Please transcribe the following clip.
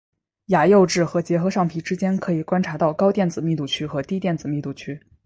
牙釉质和结合上皮之间可以观察到高电子密度区和低电子密度区。